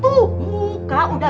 bisa berubah juga